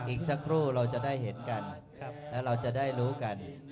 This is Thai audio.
อีกสักครู่เราจะได้เห็นกันและเราจะได้รู้กัน